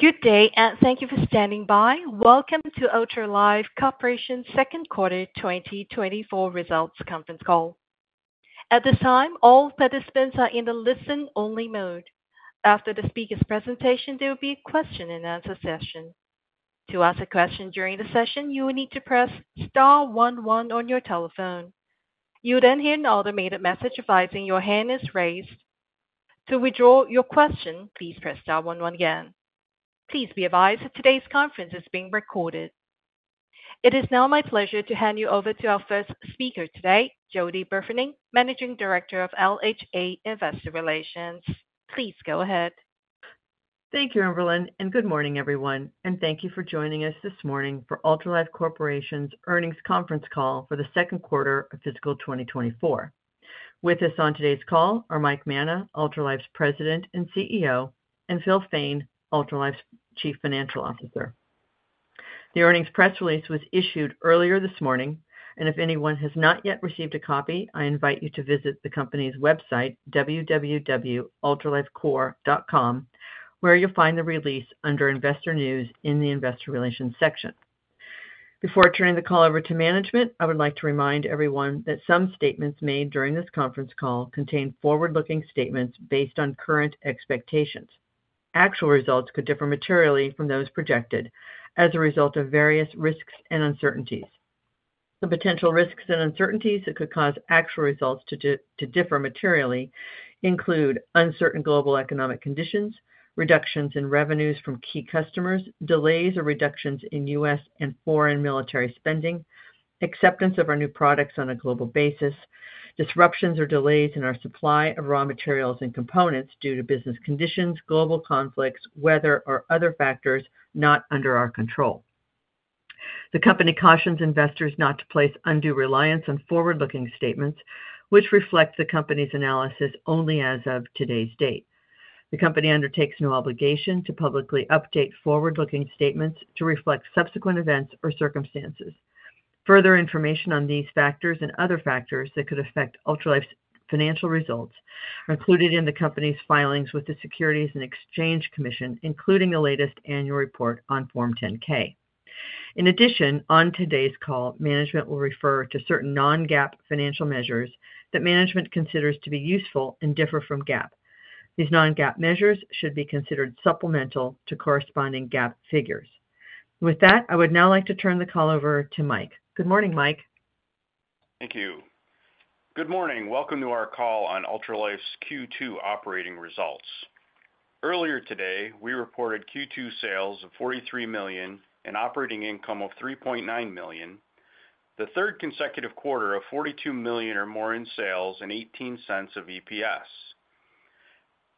Good day, and thank you for standing by. Welcome to Ultralife Corporation's Second Quarter 2024 Results Conference Call. At this time, all participants are in the listen-only mode. After the speaker's presentation, there will be a question-and-answer session. To ask a question during the session, you will need to press star one one on your telephone. You will then hear an automated message advising your hand is raised. To withdraw your question, please press star one one again. Please be advised that today's conference is being recorded. It is now my pleasure to hand you over to our first speaker today, Jody Burfening, Managing Director of LHA Investor Relations. Please go ahead. Thank you, Amberlynn, and good morning, everyone, and thank you for joining us this morning for Ultralife Corporation's earnings conference call for the second quarter of fiscal 2024. With us on today's call are Mike Manna, Ultralife's President and CEO, and Phil Fain, Ultralife's Chief Financial Officer. The earnings press release was issued earlier this morning, and if anyone has not yet received a copy, I invite you to visit the company's website, www.ultralifecorp.com, where you'll find the release under Investor News in the Investor Relations section. Before turning the call over to management, I would like to remind everyone that some statements made during this conference call contain forward-looking statements based on current expectations. Actual results could differ materially from those projected as a result of various risks and uncertainties. The potential risks and uncertainties that could cause actual results to differ materially include uncertain global economic conditions, reductions in revenues from key customers, delays or reductions in U.S. and foreign military spending, acceptance of our new products on a global basis, disruptions or delays in our supply of raw materials and components due to business conditions, global conflicts, weather, or other factors not under our control. The company cautions investors not to place undue reliance on forward-looking statements, which reflect the company's analysis only as of today's date. The company undertakes no obligation to publicly update forward-looking statements to reflect subsequent events or circumstances. Further information on these factors and other factors that could affect Ultralife's financial results are included in the company's filings with the Securities and Exchange Commission, including the latest annual report on Form 10-K. In addition, on today's call, management will refer to certain non-GAAP financial measures that management considers to be useful and differ from GAAP. These non-GAAP measures should be considered supplemental to corresponding GAAP figures. With that, I would now like to turn the call over to Mike. Good morning, Mike. Thank you. Good morning. Welcome to our call on Ultralife's Q2 operating results. Earlier today, we reported Q2 sales of $43 million and operating income of $3.9 million, the third consecutive quarter of $42 million or more in sales and $0.18 of EPS.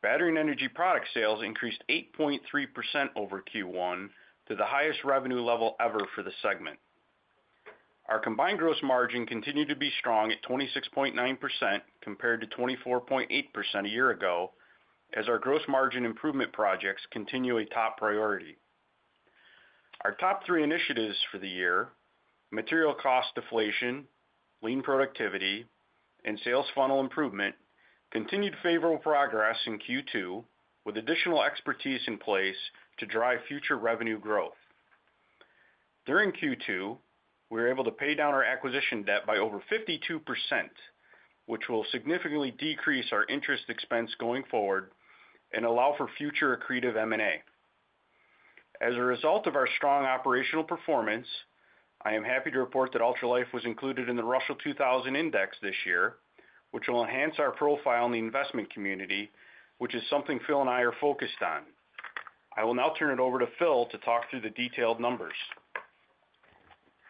Battery and energy product sales increased 8.3% over Q1 to the highest revenue level ever for the segment. Our combined gross margin continued to be strong at 26.9% compared to 24.8% a year ago, as our gross margin improvement projects continue a top priority. Our top three initiatives for the year, material cost deflation, Lean Productivity, and sales funnel improvement, continued favorable progress in Q2, with additional expertise in place to drive future revenue growth. During Q2, we were able to pay down our acquisition debt by over 52%, which will significantly decrease our interest expense going forward and allow for future accretive M&A. As a result of our strong operational performance, I am happy to report that Ultralife was included in the Russell 2000 Index this year, which will enhance our profile in the investment community, which is something Phil and I are focused on. I will now turn it over to Phil to talk through the detailed numbers.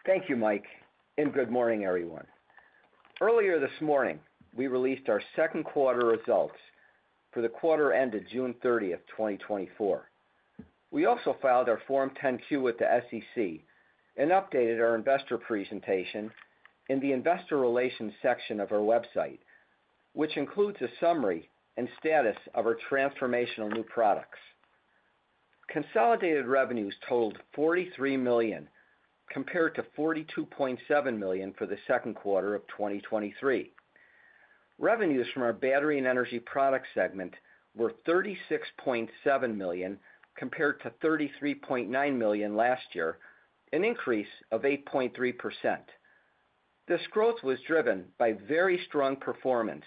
Thank you, Mike, and good morning, everyone. Earlier this morning, we released our second quarter results for the quarter ended June 30th, 2024. We also filed our Form 10-Q with the SEC and updated our investor presentation in the investor relations section of our website, which includes a summary and status of our transformational new products. Consolidated revenues totaled $43 million, compared to $42.7 million for the second quarter of 2023. Revenues from our battery and energy product segment were $36.7 million, compared to $33.9 million last year, an increase of 8.3%. This growth was driven by very strong performance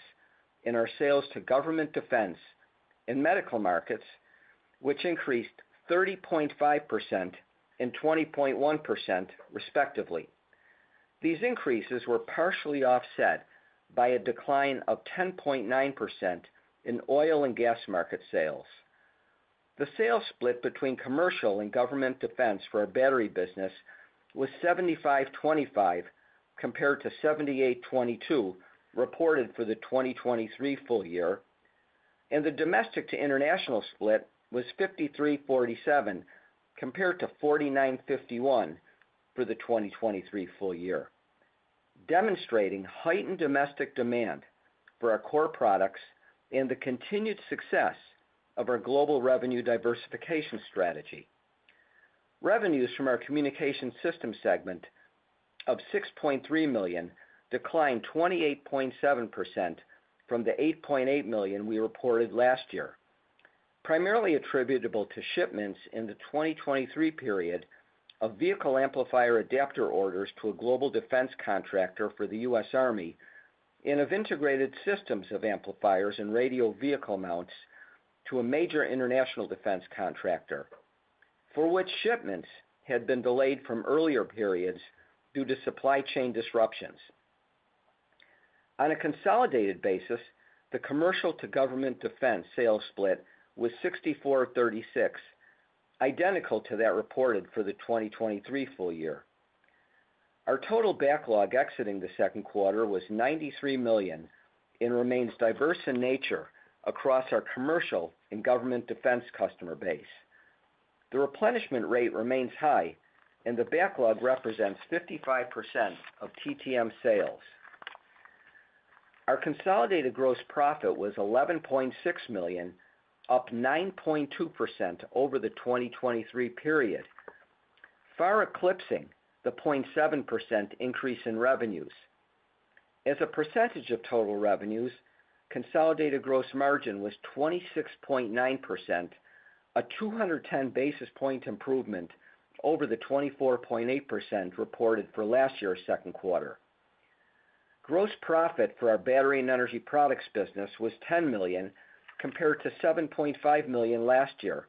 in our sales to government defense and medical markets, which increased 30.5% and 20.1%, respectively. These increases were partially offset by a decline of 10.9% in oil and gas market sales. The sales split between commercial and government defense for our battery business was 75/25, compared to 78/22, reported for the 2023 full year, and the domestic to international split was 53/47, compared to 49/51 for the 2023 full year. Demonstrating heightened domestic demand for our core products and the continued success of our global revenue diversification strategy. Revenues from our communication system segment of $6.3 million declined 28.7% from the $8.8 million we reported last year, primarily attributable to shipments in the 2023 period of vehicle amplifier adapter orders to a global defense contractor for the US Army, and of integrated systems of amplifiers and radio vehicle mounts to a major international defense contractor, for which shipments had been delayed from earlier periods due to supply chain disruptions. On a consolidated basis, the commercial to government defense sales split was 64/36, identical to that reported for the 2023 full year. Our total backlog exiting the second quarter was $93 million and remains diverse in nature across our commercial and government defense customer base. The replenishment rate remains high, and the backlog represents 55% of TTM sales. Our consolidated gross profit was $11.6 million, up 9.2% over the 2023 period, far eclipsing the 0.7% increase in revenues. As a percentage of total revenues, consolidated gross margin was 26.9%, a 210 basis point improvement over the 24.8% reported for last year's second quarter. Gross profit for our battery and energy products business was $10 million, compared to $7.5 million last year,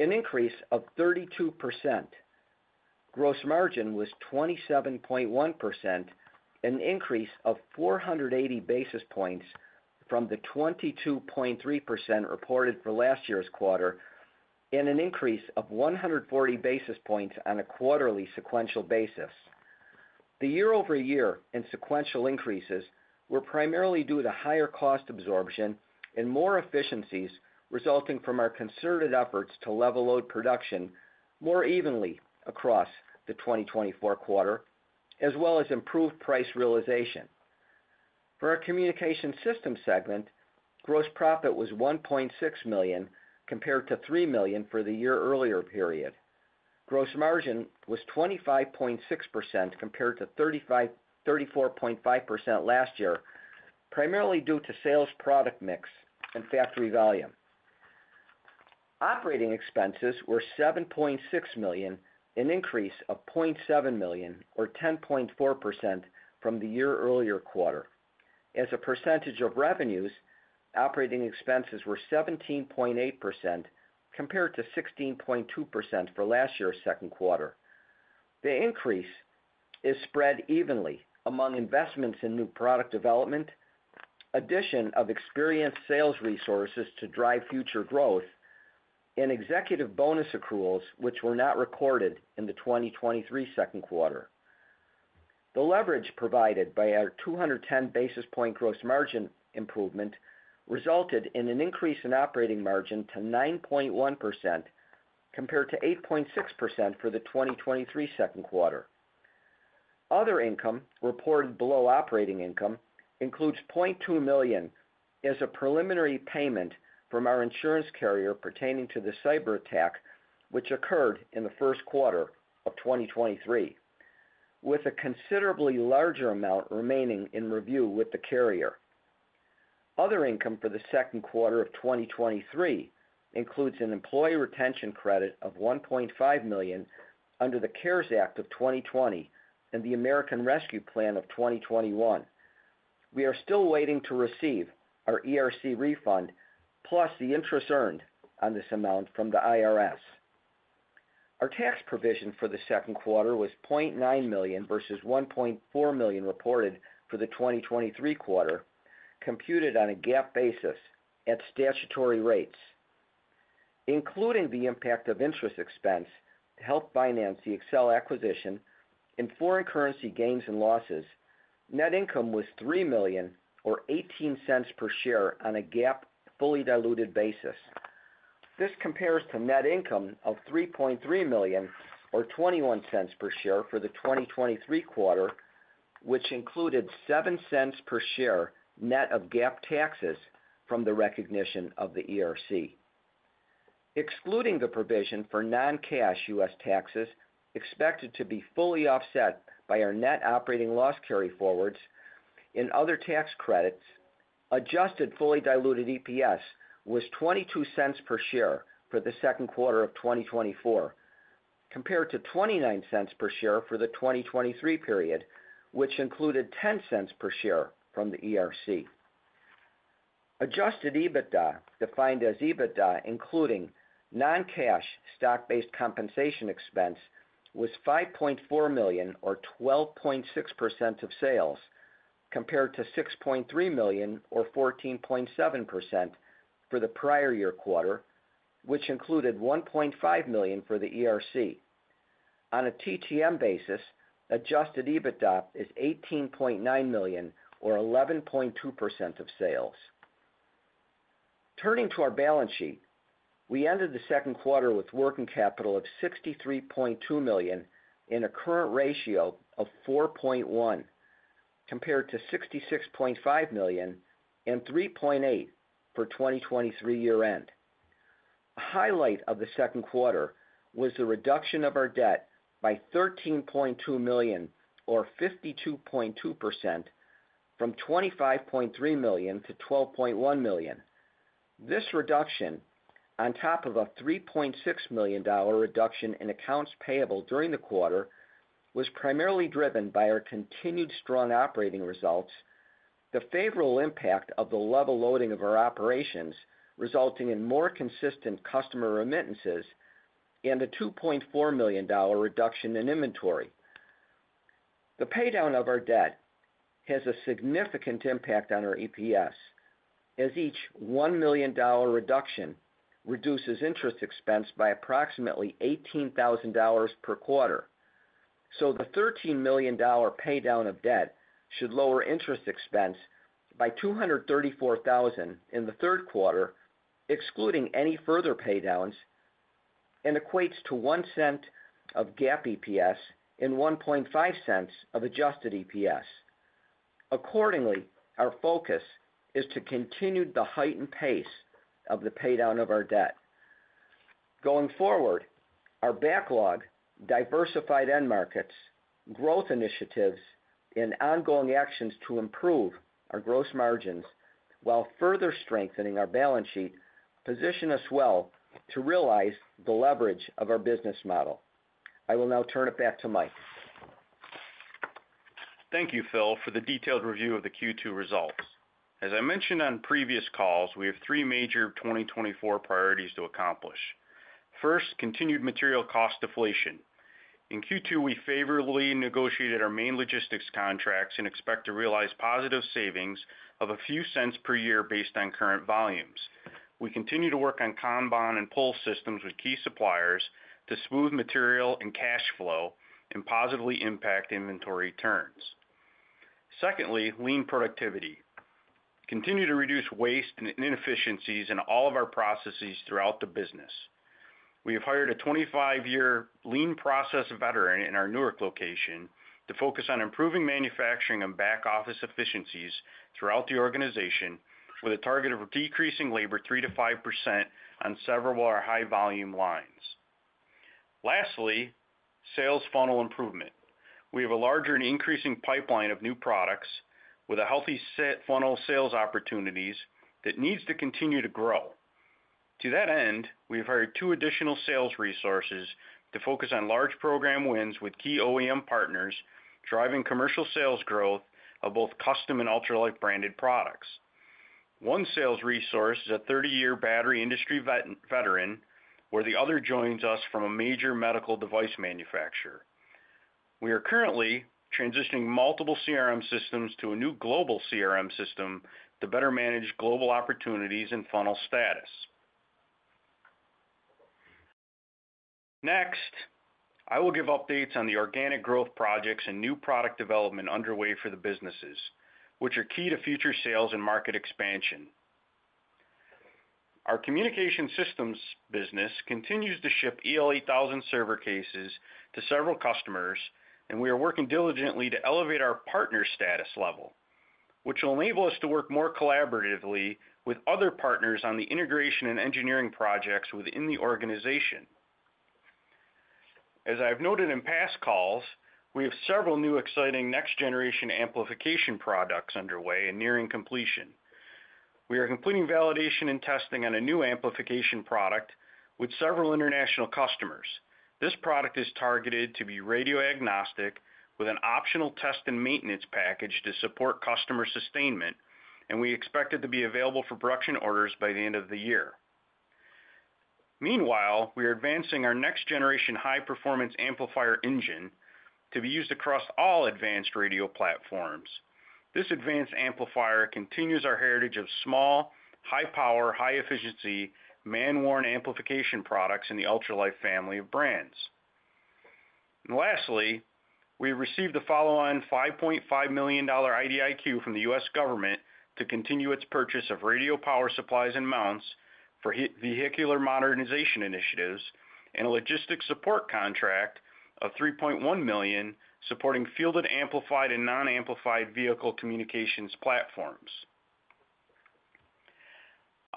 an increase of 32%. Gross margin was 27.1%, an increase of 480 basis points from the 22.3% reported for last year's quarter, and an increase of 140 basis points on a quarterly sequential basis. The year-over-year and sequential increases were primarily due to higher cost absorption and more efficiencies resulting from our concerted efforts to level load production more evenly across the 2024 quarter, as well as improved price realization. For our communication system segment, gross profit was $1.6 million, compared to $3 million for the year-earlier period. Gross margin was 25.6%, compared to 34.5% last year, primarily due to sales, product mix and factory volume. Operating expenses were $7.6 million, an increase of $0.7 million, or 10.4% from the year-earlier quarter. As a percentage of revenues, operating expenses were 17.8%, compared to 16.2% for last year's second quarter. The increase is spread evenly among investments in new product development, addition of experienced sales resources to drive future growth, and executive bonus accruals, which were not recorded in the 2023 second quarter. The leverage provided by our 210 basis point gross margin improvement resulted in an increase in operating margin to 9.1%, compared to 8.6% for the 2023 second quarter. Other income reported below operating income includes $0.2 million as a preliminary payment from our insurance carrier pertaining to the cyberattack, which occurred in the first quarter of 2023, with a considerably larger amount remaining in review with the carrier. Other income for the second quarter of 2023 includes an Employee Retention Credit of $1.5 million under the CARES Act of 2020 and the American Rescue Plan of 2021. We are still waiting to receive our ERC refund plus the interest earned on this amount from the IRS. Our tax provision for the second quarter was $0.9 million versus $1.4 million reported for the 2023 quarter, computed on a GAAP basis at statutory rates. Including the impact of interest expense to help finance the Excell acquisition and foreign currency gains and losses, net income was $3 million, or $0.18 per share on a GAAP fully diluted basis. This compares to net income of $3.3 million, or $0.21 per share for the 2023 quarter, which included $0.07 per share net of GAAP taxes from the recognition of the ERC. Excluding the provision for non-cash U.S. taxes, expected to be fully offset by our net operating loss carryforwards and other tax credits, adjusted fully diluted EPS was $0.22 per share for the second quarter of 2024, compared to $0.29 per share for the 2023 period, which included $0.10 per share from the ERC. Adjusted EBITDA, defined as EBITDA, including non-cash stock-based compensation expense, was $5.4 million, or 12.6% of sales, compared to $6.3 million, or 14.7% for the prior year quarter, which included $1.5 million for the ERC. On a TTM basis, adjusted EBITDA is $18.9 million, or 11.2% of sales. Turning to our balance sheet, we ended the second quarter with working capital of $63.2 million, and a current ratio of 4.1x Compared to $66.5 million, and $3.8 for 2020 year-end. A highlight of the second quarter was the reduction of our debt by $13.2 million, or 52.2%, from $25.3 million- $12.1 million. This reduction, on top of a $3.6 million dollar reduction in accounts payable during the quarter, was primarily driven by our continued strong operating results, the favorable impact of the level loading of our operations, resulting in more consistent customer remittances, and a $2.4 million dollar reduction in inventory. The paydown of our debt has a significant impact on our EPS, as each $1 million dollar reduction reduces interest expense by approximately $18,000 per quarter. So the $13 million paydown of debt should lower interest expense by $234,000 in the third quarter, excluding any further paydowns, and equates to $0.01 of GAAP EPS and $0.015 of adjusted EPS. Accordingly, our focus is to continue the heightened pace of the paydown of our debt. Going forward, our backlog, diversified end markets, growth initiatives, and ongoing actions to improve our gross margins while further strengthening our balance sheet, position us well to realize the leverage of our business model. I will now turn it back to Mike. Thank you, Phil, for the detailed review of the Q2 results. As I mentioned on previous calls, we have three major 2024 priorities to accomplish. First, continued material cost deflation. In Q2, we favorably negotiated our main logistics contracts and expect to realize positive savings of a few cents per year based on current volumes. We continue to work on Kanban and pull systems with key suppliers to smooth material and cash flow and positively impact inventory turns. Secondly, lean productivity. Continue to reduce waste and inefficiencies in all of our processes throughout the business. We have hired a 25-year lean process veteran in our Newark location to focus on improving manufacturing and back office efficiencies throughout the organization, with a target of decreasing labor 3%-5% on several of our high-volume lines. Lastly, sales funnel improvement. We have a larger and increasing pipeline of new products with a healthy set funnel sales opportunities that needs to continue to grow. To that end, we have hired two additional sales resources to focus on large program wins with key OEM partners, driving commercial sales growth of both custom and Ultralife branded products. One sales resource is a 30-year battery industry veteran, where the other joins us from a major medical device manufacturer. We are currently transitioning multiple CRM systems to a new global CRM system to better manage global opportunities and funnel status. Next, I will give updates on the organic growth projects and new product development underway for the businesses, which are key to future sales and market expansion. Our communication systems business continues to ship EL8000 server cases to several customers, and we are working diligently to elevate our partner status level, which will enable us to work more collaboratively with other partners on the integration and engineering projects within the organization. As I've noted in past calls, we have several new exciting next-generation amplification products underway and nearing completion. We are completing validation and testing on a new amplification product with several international customers. This product is targeted to be radio-agnostic, with an optional test and maintenance package to support customer sustainment, and we expect it to be available for production orders by the end of the year. Meanwhile, we are advancing our next-generation high-performance amplifier engine to be used across all advanced radio platforms. This advanced amplifier continues our heritage of small, high power, high efficiency, man-worn amplification products in the Ultralife family of brands. And lastly, we received a follow-on $5.5 million IDIQ from the U.S. Government to continue its purchase of radio power supplies and mounts for vehicular modernization initiatives, and a logistics support contract of $3.1 million, supporting fielded, amplified, and non-amplified vehicle communications platforms.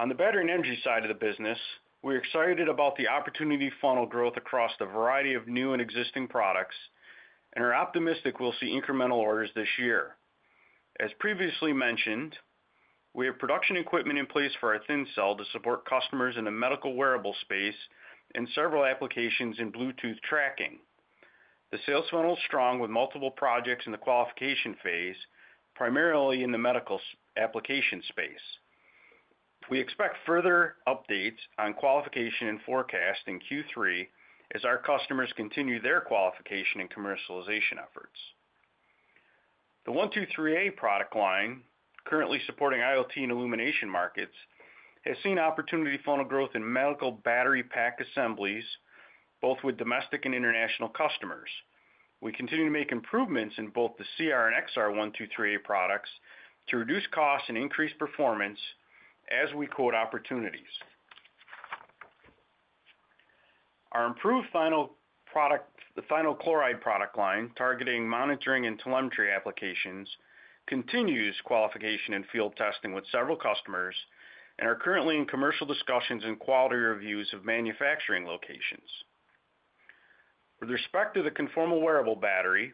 On the battery and energy side of the business, we're excited about the opportunity funnel growth across a variety of new and existing products and are optimistic we'll see incremental orders this year. As previously mentioned, we have production equipment in place for our Thin Cell to support customers in the medical wearable space and several applications in Bluetooth tracking. The sales funnel is strong, with multiple projects in the qualification phase, primarily in the medical application space. We expect further updates on qualification and forecast in Q3 as our customers continue their qualification and commercialization efforts. The 123A product line, currently supporting IoT and illumination markets, has seen opportunity funnel growth in medical battery pack assemblies, both with domestic and international customers. We continue to make improvements in both the CR and XR123A products to reduce costs and increase performance as we quote opportunities. Our improved Thionyl Chloride product, the Thionyl Chloride product line, targeting monitoring and telemetry applications, continues qualification and field testing with several customers and are currently in commercial discussions and quality reviews of manufacturing locations. With respect to the Conformal Wearable Battery,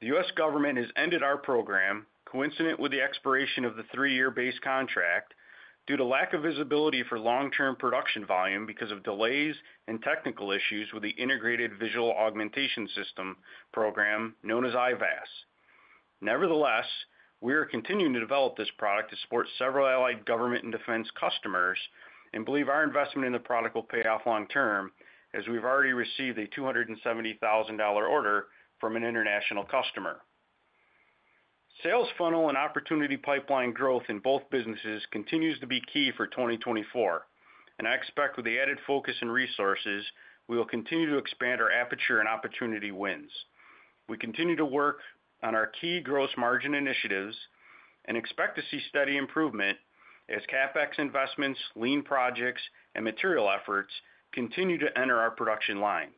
the U.S. Government has ended our program, coincident with the expiration of the three-year base contract, due to lack of visibility for long-term production volume because of delays and technical issues with the Integrated Visual Augmentation System program, known as IVAS. Nevertheless, we are continuing to develop this product to support several allied government and defense customers, and believe our investment in the product will pay off long term, as we've already received a $270,000 order from an international customer. Sales funnel and opportunity pipeline growth in both businesses continues to be key for 2024, and I expect with the added focus and resources, we will continue to expand our aperture and opportunity wins. We continue to work on our key gross margin initiatives and expect to see steady improvement as CapEx investments, lean projects, and material efforts continue to enter our production lines.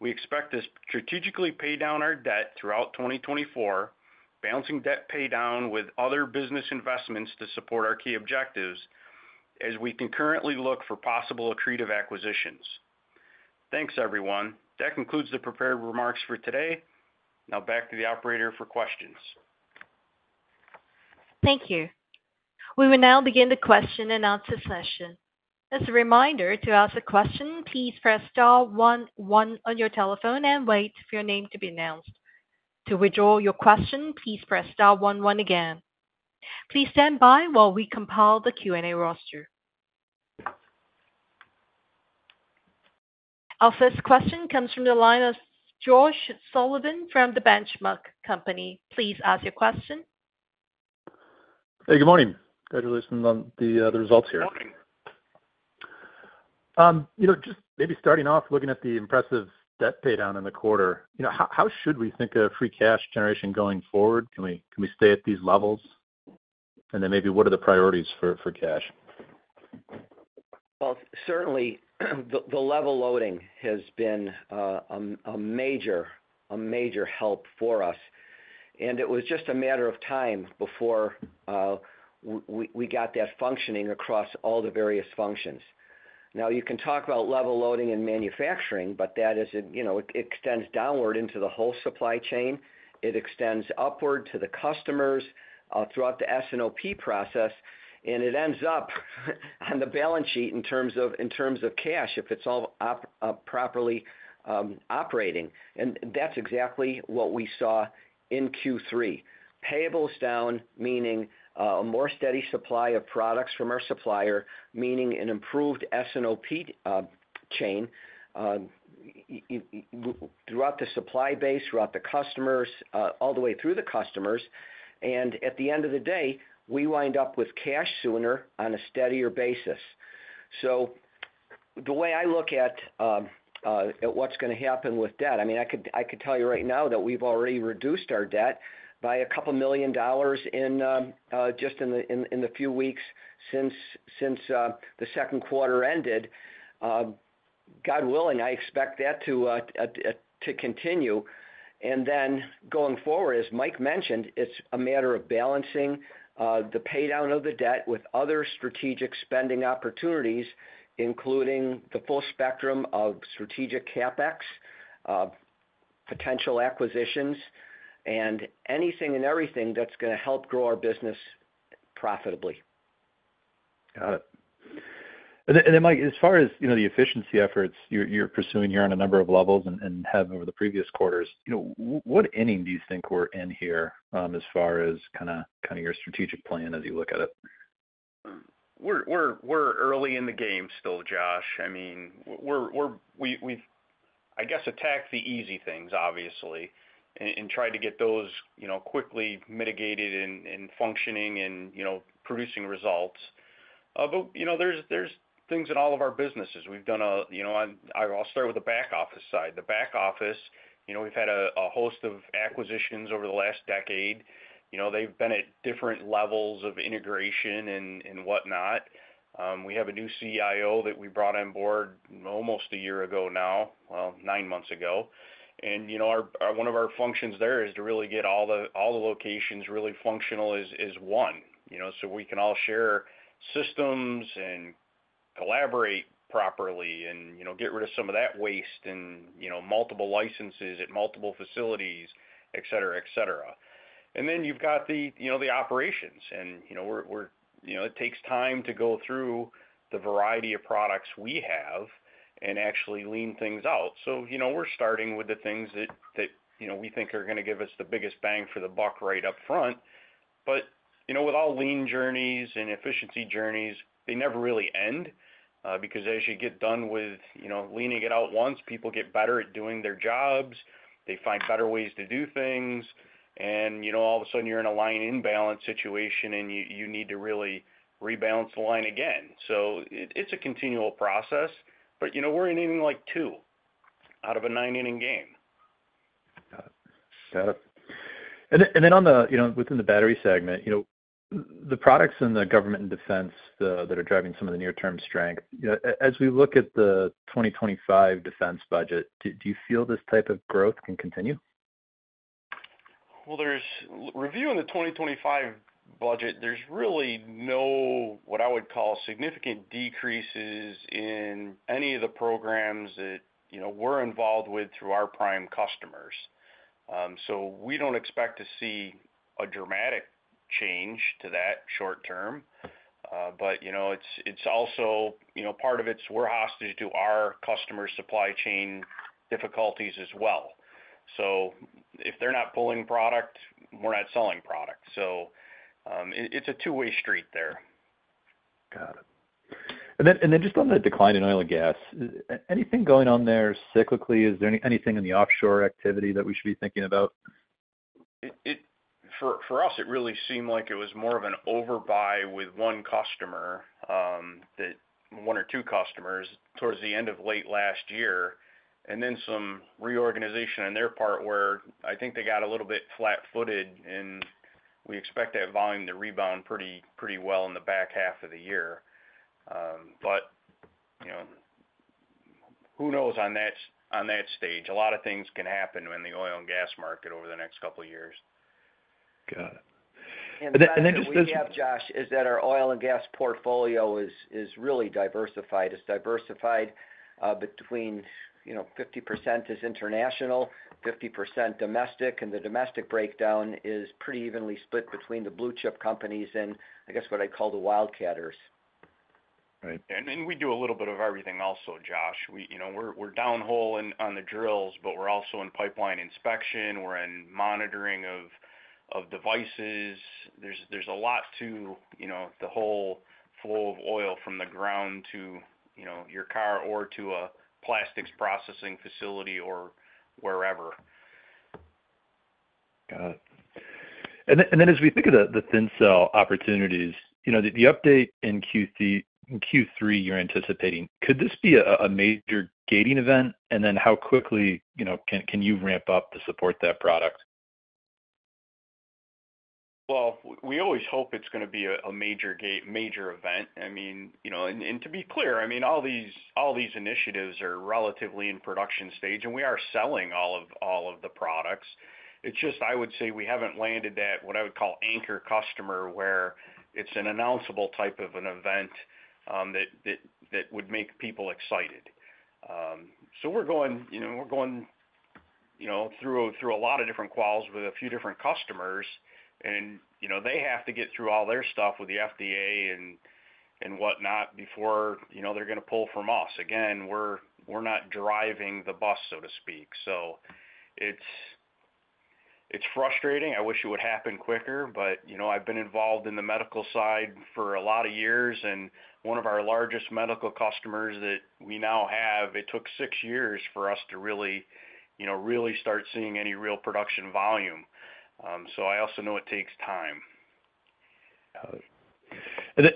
We expect to strategically pay down our debt throughout 2024, balancing debt pay down with other business investments to support our key objectives as we concurrently look for possible accretive acquisitions. Thanks, everyone. That concludes the prepared remarks for today. Now back to the operator for questions. Thank you. We will now begin the question and answer session. As a reminder, to ask a question, please press star one one on your telephone and wait for your name to be announced. To withdraw your question, please press star one one again. Please stand by while we compile the Q&A roster. Our first question comes from the line of Josh Sullivan from The Benchmark Company. Please ask your question. Hey, good morning. Congratulations on the results here. Morning. You know, just maybe starting off looking at the impressive debt pay down in the quarter, you know, how, how should we think of free cash generation going forward? Can we, can we stay at these levels? And then maybe what are the priorities for, for cash? Well, certainly, the level loading has been a major help for us, and it was just a matter of time before we got that functioning across all the various functions. Now, you can talk about level loading and manufacturing, but that is, you know, it extends downward into the whole supply chain. It extends upward to the customers throughout the S&OP process, and it ends up on the balance sheet in terms of cash, if it's all properly operating. And that's exactly what we saw in Q3. Payables down, meaning a more steady supply of products from our supplier, meaning an improved S&OP chain throughout the supply base, throughout the customers, all the way through the customers, and at the end of the day, we wind up with cash sooner on a steadier basis. So the way I look at what's gonna happen with debt, I mean, I could tell you right now that we've already reduced our debt by $2 million in just the few weeks since the second quarter ended. God willing, I expect that to continue. Then going forward, as Mike mentioned, it's a matter of balancing the pay down of the debt with other strategic spending opportunities, including the full spectrum of strategic CapEx, potential acquisitions, and anything and everything that's gonna help grow our business profitably. Got it. And then, Mike, as far as, you know, the efficiency efforts you're pursuing here on a number of levels and have over the previous quarters, you know, what inning do you think we're in here, as far as kinda your strategic plan as you look at it? We're early in the game still, Josh. I mean, we're -- we've, I guess, attacked the easy things, obviously, and tried to get those, you know, quickly mitigated and functioning and, you know, producing results. But, you know, there's things in all of our businesses. We've done a, you know, I'll start with the back office side. The back office, you know, we've had a host of acquisitions over the last decade. You know, they've been at different levels of integration and whatnot. We have a new CIO that we brought on board almost a year ago now, well, nine months ago. And, you know, our one of our functions there is to really get all the all the locations really functional as one, you know, so we can all share systems and collaborate properly and, you know, get rid of some of that waste and, you know, multiple licenses at multiple facilities, et cetera, et cetera. And then you've got the, you know, the operations and, you know, we're. You know, it takes time to go through the variety of products we have and actually lean things out. So, you know, we're starting with the things that, you know, we think are gonna give us the biggest bang for the buck right up front. But, you know, with all lean journeys and efficiency journeys, they never really end, because as you get done with, you know, leaning it out once, people get better at doing their jobs, they find better ways to do things, and, you know, all of a sudden, you're in a line imbalance situation, and you need to really rebalance the line again. So it's a continual process, but, you know, we're in inning, like, two out of a nine-inning game. Got it. And then on the, you know, within the battery segment, you know, the products in the government and defense that are driving some of the near-term strength, you know, as we look at the 2025 defense budget, do you feel this type of growth can continue? Well, reviewing the 2025 budget, there's really no, what I would call, significant decreases in any of the programs that, you know, we're involved with through our prime customers. So we don't expect to see a dramatic change to that short term. But, you know, it's, it's also, you know, part of it's we're hostage to our customer supply chain difficulties as well. So if they're not pulling product, we're not selling product. So, it, it's a two-way street there. Got it. And then, and then just on the decline in oil and gas, anything going on there cyclically? Is there anything in the offshore activity that we should be thinking about? For us, it really seemed like it was more of an overbuy with one customer, that one or two customers, towards the end of late last year, and then some reorganization on their part, where I think they got a little bit flat-footed, and we expect that volume to rebound pretty, pretty well in the back half of the year. But, you know, who knows on that, on that stage? A lot of things can happen in the oil and gas market over the next couple of years. Got it. And then, just this. What we have, Josh, is that our oil and gas portfolio is really diversified. It's diversified between, you know, 50% is international, 50% domestic, and the domestic breakdown is pretty evenly split between the blue chip companies and, I guess, what I'd call the wildcatters. Right. We do a little bit of everything also, Josh. You know, we're downhole on the drills, but we're also in pipeline inspection. We're in monitoring of devices. There's a lot to, you know, the whole flow of oil from the ground to, you know, your car or to a plastics processing facility or wherever. Got it. And then as we think of the Thin Cell opportunities, you know, the update in Q3 you're anticipating, could this be a major gating event? And then how quickly, you know, can you ramp up to support that product? Well, we always hope it's gonna be a, a major gate, major event. I mean, you know, and, and to be clear, I mean, all these, all these initiatives are relatively in production stage, and we are selling all of, all of the products. It's just, I would say, we haven't landed that, what I would call, anchor customer, where it's an announceable type of an event, that, that, that would make people excited. So we're going, you know, we're going, you know, through, through a lot of different quals with a few different customers, and, you know, they have to get through all their stuff with the FDA and, and whatnot, before, you know, they're gonna pull from us. Again, we're, we're not driving the bus, so to speak. So it's, it's frustrating. I wish it would happen quicker, but, you know, I've been involved in the medical side for a lot of years, and one of our largest medical customers that we now have, it took six years for us to really, you know, really start seeing any real production volume. So I also know it takes time. Got it.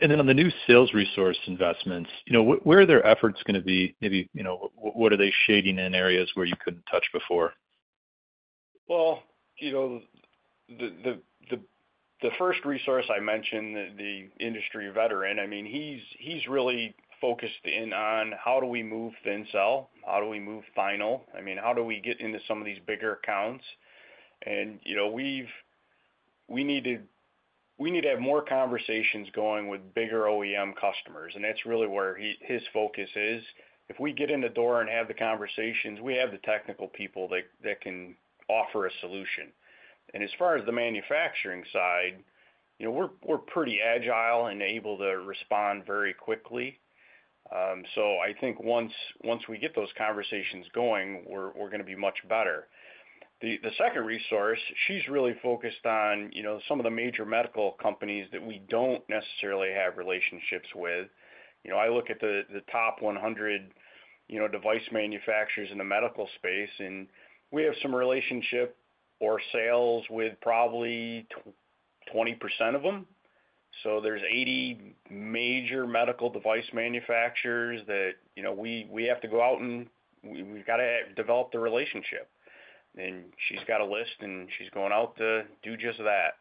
And then on the new sales resource investments, you know, where are their efforts gonna be? Maybe, you know, what are they shading in areas where you couldn't touch before? Well, you know, the first resource I mentioned, the industry veteran, I mean, he's really focused in on how do we move Thin Cell? How do we move Thionyl? I mean, how do we get into some of these bigger accounts? And, you know, we need to have more conversations going with bigger OEM customers, and that's really where his focus is. If we get in the door and have the conversations, we have the technical people that can offer a solution. And as far as the manufacturing side, you know, we're pretty agile and able to respond very quickly. So I think once we get those conversations going, we're gonna be much better. The second resource, she's really focused on, you know, some of the major medical companies that we don't necessarily have relationships with. You know, I look at the top 100, you know, device manufacturers in the medical space, and we have some relationship or sales with probably 20% of them. So there's 80 major medical device manufacturers that, you know, we, we have to go out, and we, we've got to develop the relationship. And she's got a list, and she's going out to do just that.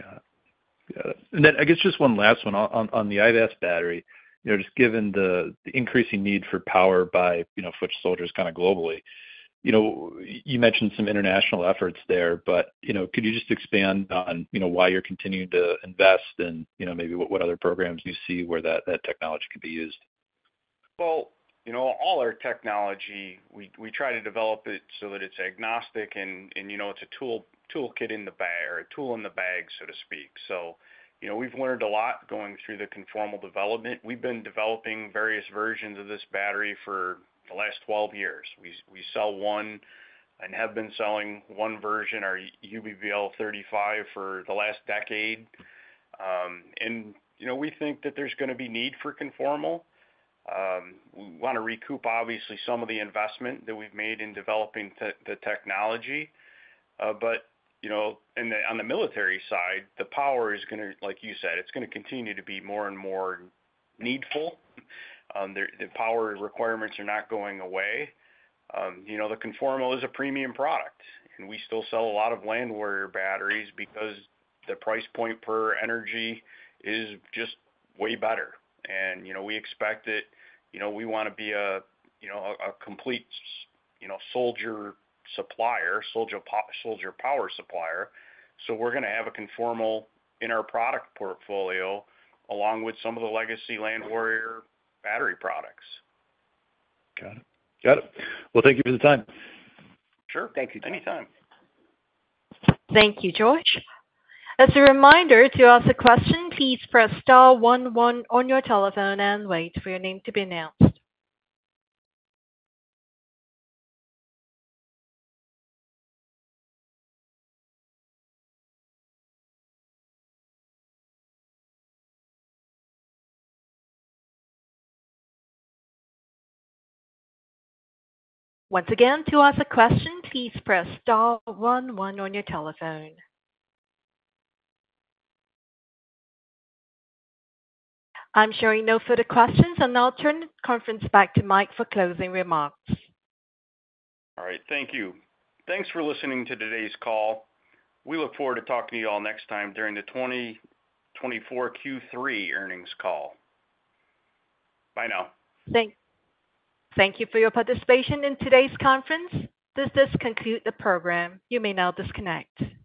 Got it. Got it. And then, I guess, just one last one on the IVAS battery. You know, just given the increasing need for power by, you know, foot soldiers kind of globally, you know, you mentioned some international efforts there, but, you know, could you just expand on, you know, why you're continuing to invest and, you know, maybe what other programs you see where that technology could be used? Well, you know, all our technology, we try to develop it so that it's agnostic and, you know, it's a tool, toolkit in the bag or a tool in the bag, so to speak. So, you know, we've learned a lot going through the conformal development. We've been developing various versions of this battery for the last 12 years. We sell one and have been selling one version, our UBBL35, for the last decade. And, you know, we think that there's gonna be need for conformal. We want to recoup, obviously, some of the investment that we've made in developing the technology. But, you know, and then on the military side, the power is gonna, like you said, it's gonna continue to be more and more needful. The power requirements are not going away. You know, the conformal is a premium product, and we still sell a lot of Land Warrior batteries because the price point per energy is just way better. And, you know, we expect it. You know, we want to be a, you know, a complete, you know, soldier power supplier. So we're gonna have a conformal in our product portfolio, along with some of the legacy Land Warrior battery products. Got it. Got it. Well, thank you for the time. Sure. Thank you. Anytime. Thank you, George. As a reminder, to ask a question, please press star one one on your telephone and wait for your name to be announced. Once again, to ask a question, please press star one one on your telephone. I'm showing no further questions, and I'll turn the conference back to Mike for closing remarks. All right. Thank you. Thanks for listening to today's call. We look forward to talking to you all next time during the 2024 Q3 earnings call. Bye now. Thank you for your participation in today's conference. This does conclude the program. You may now disconnect.